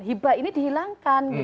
hibah ini dihilangkan